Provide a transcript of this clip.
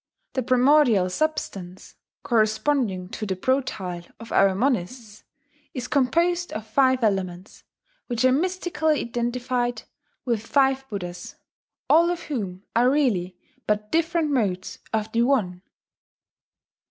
The primordial substance corresponding to the "protyle" of our Monists is composed of Five Elements, which are mystically identified with Five Buddhas, all of whom are really but different modes of the One.